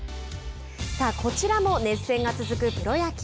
こちらも熱戦が続くプロ野球。